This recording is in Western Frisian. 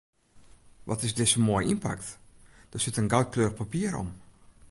Wat is dizze moai ynpakt, der sit in goudkleurich papier om.